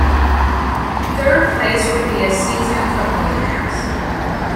Third place would be a season football pass.